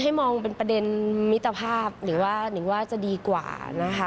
ให้มองเป็นประเด็นมิตรภาพหรือว่านิงว่าจะดีกว่านะคะ